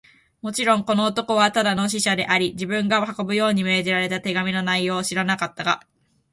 もちろん、この男はただの使者であり、自分が運ぶように命じられた手紙の内容を知らなかったが、